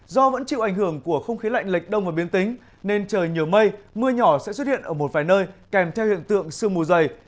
do vẫn chịu ảnh hưởng của không khí lạnh lệch đông và biến tính nên trời nhiều mây mưa nhỏ sẽ xuất hiện ở một vài nơi kèm theo hiện tượng sương mù dày